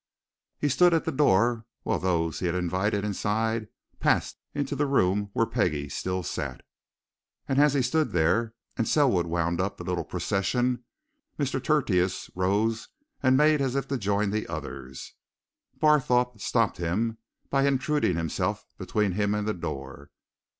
He stood at the door while those he had invited inside passed into the room where Peggie still sat. And as he stood there, and Selwood wound up the little procession, Mr. Tertius rose and also made as if to join the others. Barthorpe stopped him by intruding himself between him and the door.